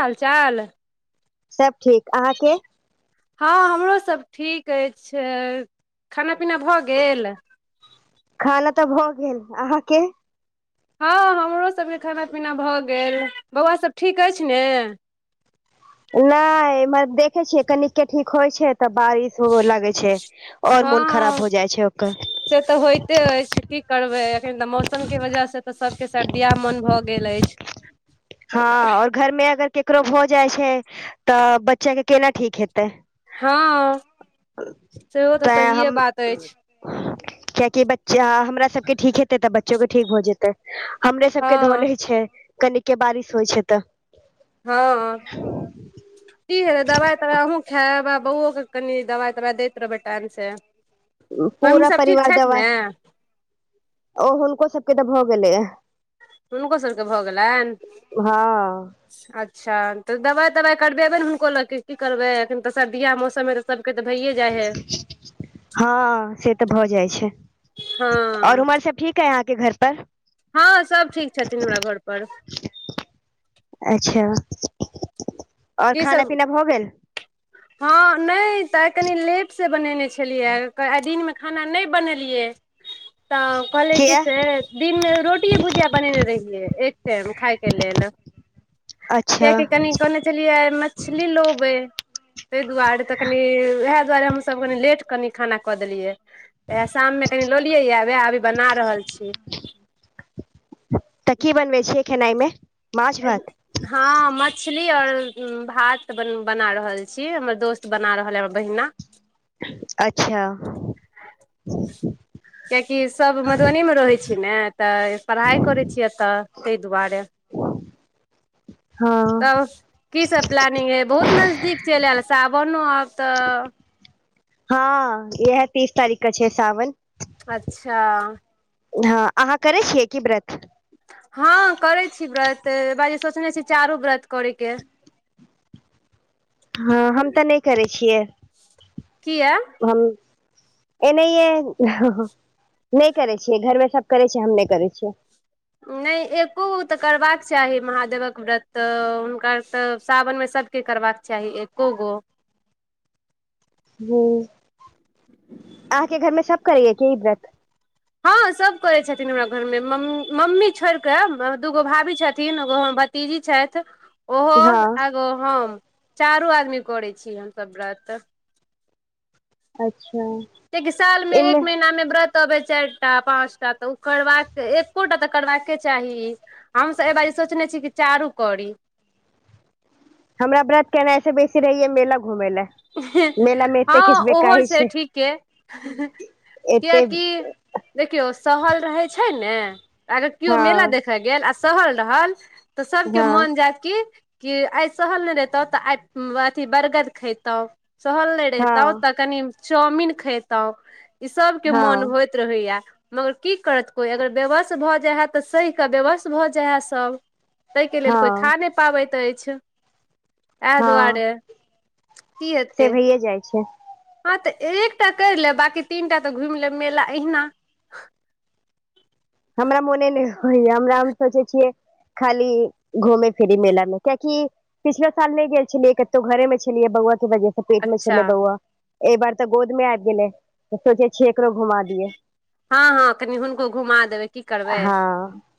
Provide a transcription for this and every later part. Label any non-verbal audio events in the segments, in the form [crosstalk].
हाल चाल सब ठीक अहाँके? हँ हमरोसभ ठीक अछि। खाना पीना भऽ गेल? खाना तऽ भऽ गेल अहाँके? हँ हमरो सबके खाना पीना भऽ गेल बौआ सब ठीक अछि ने? नहि देखे छियै कनिक के ठीक होइ छैय तऽ बारिश सेहो लागै छैय और मोन हँ खराब हो जाइ छैय ओकर। से तऽ होते अछि की करबे अखन तऽ मौसम के वजह से तऽ सबके सर्दिया मन भऽ गेल अछि। हँ और घरमे अगर केकरो भऽ जाइ छैय तऽ बच्चा के केना ठीक हेतै। हँ सेहो तऽ सहिए बात अछि। कियकि बच्चा हमरा सभके ठीक हेतै तऽ बच्चोके ठीक भ जेतै। हमरे सबके हँ धोले छैय कनिके बारिश होइ छैय तऽ। हँ की हेतै दवाइ तवाइ अहूँ खायब आ बौओके कनि दवाइ तवाइ दैत रहबै टाइम से। पूरा परिवार दबा ओ हुनको सबके तऽ भऽ गेलैया। हुनको सभके भऽ गेलनि? हँ अच्छा तऽ दवाइ तवाइ करबेबै ने हुनको लऽ क की करबै एखन तऽ सर्दिय मौसममे त सबके तऽ भैये जाइ हय। हँ से तऽ भऽ जाइत छैय आओर हँ उमरसभ ठीक हइ अहाँके घर पर? हँ सब ठीक छथिन हमरा घर पर। अच्छा आओर की खाना सब पीना भऽ गेल? हँ नहि तऽ आइ कनी लेटसँ बनेने छलियै आइ दिनमे खाना नहि बनेलियै क [inaudible] तऽ कहले की किया से दिन मे रोटिये भुजिया बनेने रहियै एक टाइम खााय के लेल [unintelligible] अच्छा कियाकि कनि कहने छलियै मछली लोबै ताहि दुआरे तऽ कनि उएह दुआरे हमसभ कनि लेट कनि खाना कऽ देलियै इएह शाममे कनि लऽ लियै य वएह अभी बना रहल छी तऽ की बनबै छियै खेनाइमे माछ एकग भात हँ मछली और भात बन बना रहल छी हमर दोस्त बना रहल है हमर बहिना अच्छा किियाकि सभ मधुबनीमे रहै छै ने तऽ पढ़ाइ करै छियै तऽ ताहि दुआरे हँ तब की सब प्लानिंग हइ बहुत नजदीक चलि आयल सावनो आब तऽ हँ इह तीस तारीख के छै साावन अच्छा हँ अहाँ करै छियै की व्रत हँ करै छी व्रत बाज सोचने छी चारू व्रत करै के हँ हम तऽ नहि करै छियै किया हम एनाहि नहि करै छियै घरमे सब करै छिय हम नहि करै छियै नहि एको तऽ करबाक चाही महादेवक व्रत हुनका तऽ सावनमे सभ के करबाक चाही एको गो हुँ अहाँके घरमे सब करैय क ई व्रत हँ सब करै छथिन हमरा घर मे मम्मी छोड़ कऽ दूगो भाभी छथिन एगो हमर भतीजी छथि ओहो हँ आगो हम चारू आदमी करै छी हमसभ व्रत अच्छा देखि सालमे एहिमे एक महिनामे व्रत तबे चारि टा पाँच टा तऽ ओ करबाक एकोटा तऽ करबाके चाही हमस एहि बारी सोचने छी कि चारू करी हमरा व्रत केना ऐस बेसी रहैयै मेला घूमै लए मेला मे एते हँ ओहो खिचबेकाइ छै ठीके एते कियकि देखियौ सहल रहै छै ने अगर केओ हँ मेला देखय गेल आ सहल रहल तऽ हँ सभके मन जायत क कि आइ सहल ने रतौ तऽ आइ अथी बरगद खेत तौं सहल नहि रहितौं हँ तऽ कनि चाउमिन खैतौं ई सब के मोन हँ होयत रहइया मगर की करत कोई अगर बेबस भऽ जाय है तऽ सहि कऽ बेबस भऽ जाय है सब ताहिके लेल कोइ हँ खा नहि पाबैत अछि इएह हँ दुआरे की से हेतै भैए जाइ छै हँ तऽ एकटा करि लेब बाकी तीन टा तऽ घुमि लेब मेला अहिना हमरा मोने नहि होइया हमरा हम सोचै छियै खाली घूमे फिरी मेलामे क्याकि पिछलाे साल नहि गेल छलियै कतौ घरे मे छलियै बौआ के वजह से पेट मे अच्छा छलै बौआ एहि बार तऽ गोद मे आबि गेले सोचे छिय एकरो घुमा दिय हँ हँ कनि हुनको घुमा देबै की करबै हँ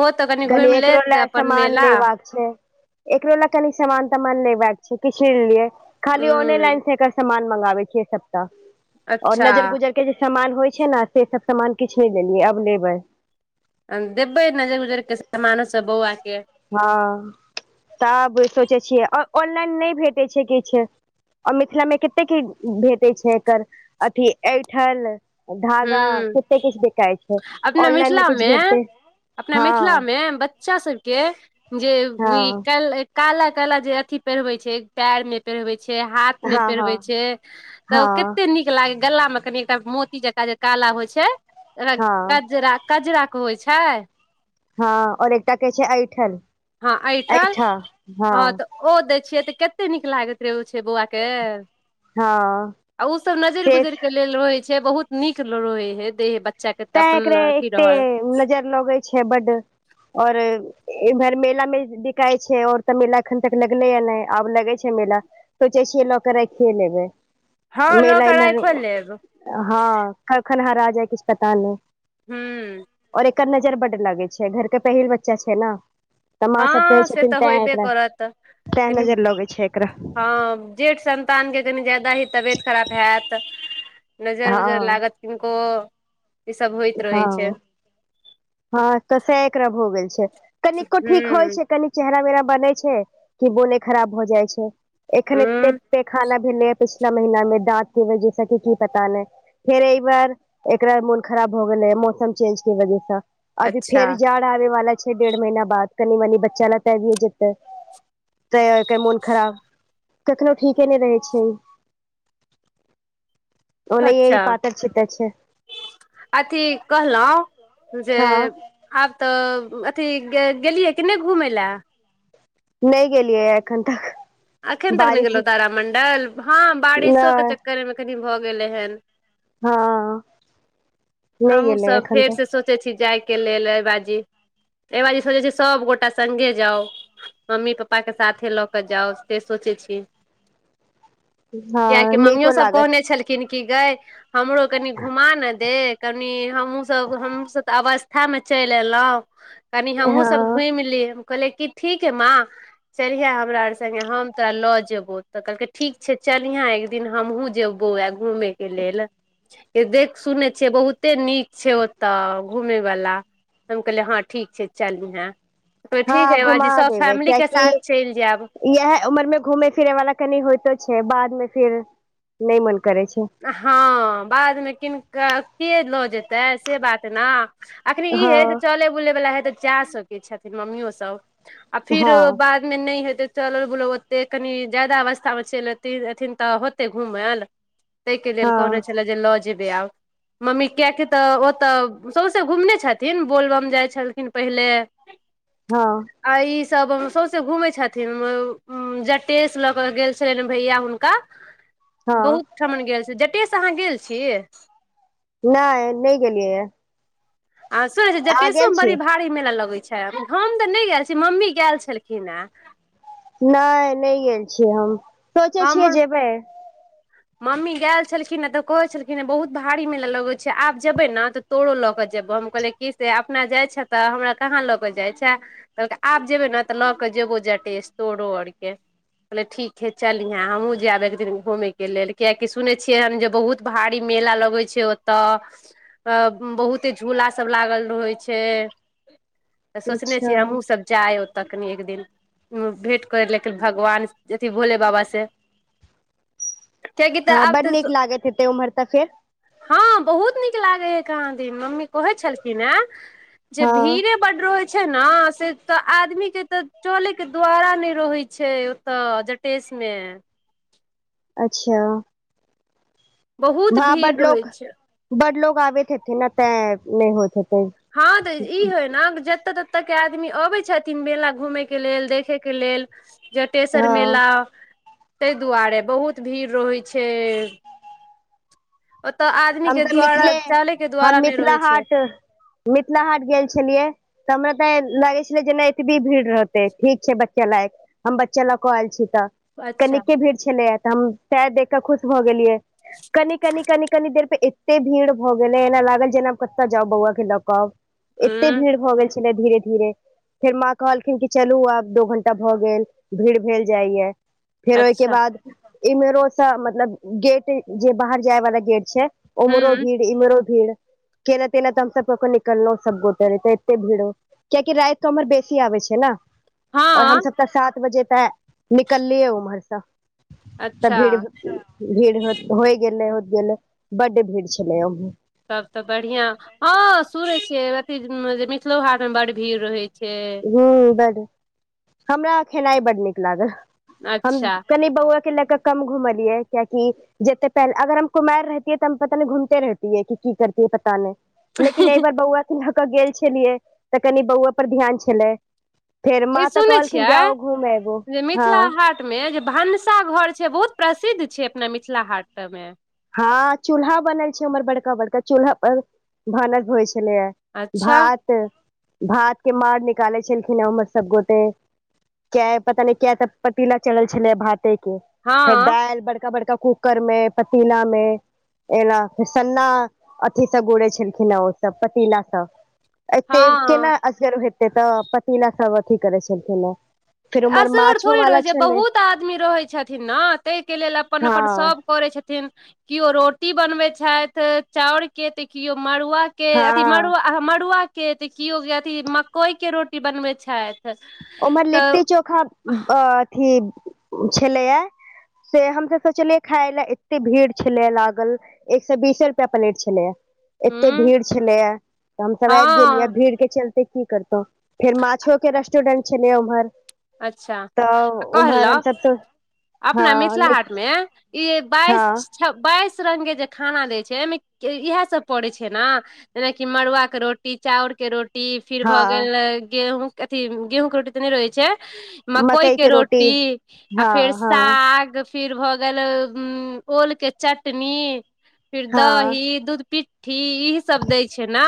ओ तऽ कनि घुमि एकरो लेत लए तऽ अपन सामान मेला लेबाक छै एकरो लए कनि समान तमान लेब के छै किछु नै लेलियै खाली हूँ ऑनेलाइन से एकर समान सामान मंगाबै छियै सबटा और अच्छा नजर गुजर के जे सामान होइ छै ने से सब समान किछु नहि लेलियै अब लेबै देबै नजरि उजरके समामानोसभ बौआके हँ तब सोचै छियै आ ऑनलाइन नहि भेटैत छै किछु आर मिथिला मे कतेक भेटैत छै एकर अथी ठल धागा हूँ कते किछु बिकाइ छै अपना ऑनलाइन मिथिला मे किछु भेटतै अपना हँ मिथिलामे ब्च बच्चा सब के जे हँ ई काल काला काला जे अथी पहिरबै छै पैर में पेरवे छै हाथ में हँ हँ पेरवे छै तऽ हँ कते नीक लाग गला में कनि एकटा मोती जकाँ जे काला होइ छैरा हँ कजरा कजरा होय छै हँ और एकटा कहै छै ऐठल हँ एहिठल हँ तऽ ओ दै छियै तऽ कते नीक लागैत रहे ओ छै बौआ के हँ आ ओसभ नजरि से गुजर के लेल रहै छै बहुत नीक रहै हे देह बच्चा के तऽ तैं अपन एकरा अथी एते रहल नजर लगे छै बड्ड और इम्हर मेला मे बिकाइ छै और तऽ मेला एखन तक लगलै या नहि आब लगै छै मेला सोचै छियै ल क रखिये लेबै हँ लऽ मेला कऽ इम्हर राखिओ लेब हँ कखन हरा जाय किछु पता नहि हूँ और एकर नजर बड्ड लगै छै घरके पहिल बच्चा छै ने तऽ माँ सब हँ कहै से छथिन तऽ तैं होयबे एकरा करत तैं कनि नजर लगै छै एकरा हँ जेठ संन्तान के कनि जा्यदा ही तबियत ख़राब हयत नजर हँ उजर लागत किननको हँ हँ तऽ स‌एह एकरा भ गेल छै कनिको ठीक होइ हूँ छै कनी चेहरा मेहरा बनै छै कि मोने खराब भ जाइ छै एखन एते हूँ पैखाना भेलै है पिछला महिीना मे दाँत के वजैस कि की पता नहि फेर एहि बार एकरा मोन खराब हो गेले है मौसम चेंज के वजह से अभी अच्छा फेर जा आवे वाला छै डेढ़ महीना बाद कनि मनी बच्चा ले त आबिये जेतै तऽ मोन खराब कखनो ठीके नहि रहै छै [inaudible] ओ नहि ई पातरि छितर छै अथि कहलहु जे हँ आब तऽ अथी गेलियै किने घुमय लए नहि गेलियै या एखन तक अखन तक नहि बारिश गेलहुँ तारामंडल हँ बारिशो के नहि चक्कर मे कनि भऽ गेलै हन हँ नहि हमहूँ गेलै सब एखन फेर तऽ से सोचै छी जाय के लेल एहि बाजी एहि बाजी सोचै छी सबगोटा सङ्गे जाउ मम्मी पप्पा के साथे लऽ केऽ जाउ से सोचै छी कियाकि हँ मम्मियो नीको सब लागत कहने छलखिन गए हमरो कनि घुमा न दे कनि हमहुँ सब हमहुँ सब तऽ अवस्था ठाम चलि एयलहुँ कनि हमहूँ सभ हँ घुमि ली हम कहलियै कि ठीके माँ चलिहे हमरा आर सङ्गे हम तोरा लऽ जेबौ तऽ कहलकै ठीक छै चलिहे एक दिन हमहुूँ जेबौ बौआ घूमे के लेल ए देख सुने छियै बहुत ओते नीक छै ओतऽ घूमे वाला त हम कहलियै हँ ठीक छै चलिहैं त ठीक है हँ घुमा बाजी सब देबै फैमिली के कियाकि साथ चलि जायब इएह उमर में घु फिरे वाला कनि होइतो छै बाद में फिर नहि मन करे छै हँ बादमे किनक कऽ के लऽ जेतै से बात ने अखनी इ हँ है त चलै बुलै वाला हे ते जा सके छथिन मम्मियो सब आ फिर हँ बाद नहि हेते चल बोलो ओते कनि जादा अवस्था मे चलि अथिन तऽ होते घुमल ताहिके लेल कहने हँ छलै जे लऽ जेबै आब मम्मी किएकि तऽ ओतय सौँसे घुमने छथिन बोलबम जाइत छलखिन पहिले [inaudible] हँ आ ईसभ सौंसे घूमै छथिन अम्म जटेश लऽ कऽ गेल छलनि भैया हुनका हँ बहुत ठमन गेल छै जटेसँ अहाँ गेल छी नहि नहि गेलियै ये आ सुनै छी जटेशो मे बड़ी छी भारी मेला लगै छै हम तऽ नहि गेल छी मम्मी गेल छलखिन हेँ नहि नहि गेल छियै हम सोचै छियै हमर जेबै मम्मी गेल छलखिन हें तऽ कहै छलखिन हे बहुत भारी मेला लगैत छै आब जेबै ने तऽ तोरो लऽ के जेबौ हम कहलियै कि से अपना जाइ छे तऽ हमरा कहाँ लऽ कऽ जाइ छै कहलकै आब जेबे ने तऽ लऽ केऽ जेबो जटेस तोरो आर के कहले ठीक हे चलिहैं हमहूँ जायब एकदिन घूमै के लेल कियाकि सुनै छियै हन जे बहुत भारी मेला लगैत छै ओ तऽ अ बहुते झूला सब लागल रहै छै तऽ सोचने अच्छा छियै हमहहुँ सब जाय ओतऽ कनी एक दिन भेँट करै लेकिन भगवान अथी भोले बाबा से कियाकि तऽ हँ आब बड तऽ नीक लागैत हेतै उम्हर तऽ फेर हँ बहुत नीक लागे हे कहाँ दुनि मम्मी कहै छलखिन हैं जे हँ भीड़े बड्ड रहै छै ने से तऽ आदमी के तऽ चले के द्वारा नहि रहै छै ओतऽ जटेश मे अच्छा बहुत हाँ भीड़ बड्ड रहै लोक छै बड्ड लोक आबैत हेथिन ने ते नहि होइत हेते हँ तऽ ई हय न कि जतऽ तत ओतऽ के आदमी अबे छथिन मेला घूमे के लेल देखे के लेल जटेश्वर हँ मेला ताहि दुआरे बहुत भीड़ रहैत छै ओ तऽ आज हम तऽ मिथिले हम मिथिला छै हाट मिथिला हाट गेल छलियै तऽ हमरा ते लगै छले जे नहि एतबी भीड़ रहते ठीक छै बच्चे लायक हम बच्चा लऽ कऽ आयल छी तऽ अच्छा कनिके भीड़ छलैया तऽ हम स‌एह देख कऽ खुश भऽ गेलियै कनि कनि कनि कनि देर एते भीड़ भऽ गेल है एना लागल जेना कतऽ जाउ बौआ के लऽकब एते उं भीड़ भऽ गेल छै धीरे धीरे फेर माँ कहलखिन कि चलू आब दू घंटा भए गेल भीड़ भेल जाइया फेर ओहिके अच्छा बाद इम्हरोसँ मतलब गेट जे बाहर जाय वाला गेट छै उम्हरो हूं भीड़ इम्हरो भीड़ केेना तेना तऽ हमसब अपन निकललौं सभ गोटे नैत एते भीड़ ओ कियाकि राति कऽ उम्हर बेसी आबै छै ने और हँ हम सप्ताह सात बजे तऽ निकललियै उम्हरसँ तऽ अच्छा भीड़ भीड़ होइ गेलै होइत गेलै बड्ड भीड़ छलै ओ तब तऽ बढ़िया हँ सुनै छियै अथी जे मिथिलो हाट मे बड्ड भीड़ रहैत छै हँ बड्ड हमरा खेनाई बड्ड नीक लागल हम अच्छा कनि बौआके लए कऽ कम घुमलियै कियाकि जेते पहल अगर हम कुमार रहती तऽ हम पता नहि घूमत रहती है कि की करतीय पता नहि लेकिन एहिबर बौआ के लऽ कऽ गेल छलियै तऽ कनि बौआ पर ध्यान छलै फेर ई माँ तऽ सुनै कहलखिन छियै जाओ घूम अबो जे हँ मिथिला हाट मे जे भनसा घर छै बहुत प्रसिद्ध छै अपना मिथिला हाट मे हँ चूल्हा बनल छै उम्हर बड़का बड़का चूल्हा पर भानस होइ छलैये अच्छा भात भात के मार निकालै छलखिन हे उम्हर सब गोटे क्य पता न क्य तऽ पतीला चलल छलै भाते के हँ फेर दाल बड़का बड़का कुकर मे पतीला मे एल फेर सन्ना अथी सँ गुरै छलखिन हे ओसभ पतीला सब एते हँ केना असगर हेतै तऽ पतिना सब अथी करैत छलखिन हे फेर उम्हर असगर माछो थोड़े वाला रहैत छै छलै बहुत आदमी रहैत छथिन ने ताहिके लेल अपन हँ अपन सभ करै छथिन केओ रोटी बनबै छथि चाउर के तऽ केओ मड़ुआ के अथी हँ मड़ु मड़ुआके तऽ केओ अथी मकइके रोटी बनबै छथि ओमर तऽ लिट्टी चोखा अथी छलै या से हम त सोचलियै खााय ले एते भीड़ छले लागल एक सए बीसे रुपआ पलेट छलैए एते हूँ भीड़ छलैया त हमसभ आबि गेलियै हँ भीड़ के चलते की करितौँ फेर माछो के रेस्टोरेंट छलै ओम्हर अच्छा आ कहलौँ हमसभ तऽ अपना हँ मिथिला हाट लेकिन में ई हँ बाइस बाइस रंग के जे खाना देय छै मे इएह सब पड़े छै ने जेनाकि मड़ुआ के रोटी चाउर के रोटी जी फिर भ हँ गेल गेहूँं अथी गेहूँ के रोटी त न रहै छै मकई के रोटी आ हँ फेर हँ साग फिर भए गेल ओल के चटनी फिर हँ दही दूध पिट घी ई सब दै छै ने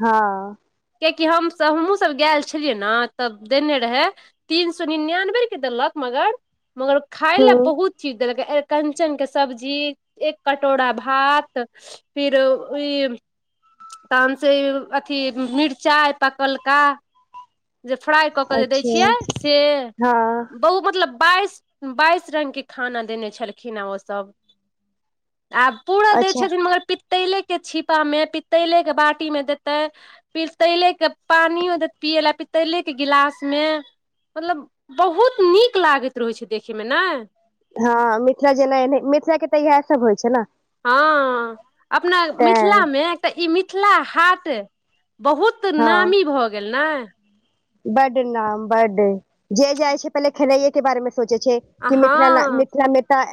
हँ कियाकि हमसभ हमहूँ सभग गेल छलियै ने तब देने रहै तीन सौ निनानबे रुपये देलक मगर मगर खाय ले हूँ बहुत चीट देलक अरिकंचन के सब्जी एक कटोरा भात फिर ई तहन से अथी मिरचाइ पकलका जे फ्राई कऽ के जे दै अच्छा छियै से हँ ओ मतलब बाइस बाइस रंगके खाना देने छलखिन हेँ ओसभ आ पूरा दै अच्छा छथिन मगर पित तैले के छीपा मे पितैले के बाटी में देते पीतैले के पानि पियला पीतेले के गिलास मे मतलब बहुत नीक लागैत रहै छै देखे मे ने हँ मिथिला जेना एने मिथिला के त इएह सब होइ छै ने हँ अपना मिथिला तैं मे एकटा ई मिथिला हाट बहुत त नामी भ गेल ने बड नाम बड जे जाइ छै पहिले खेलैए के बारे मे सोचै छै कि मिथिला हँ मिथिला मे तऽ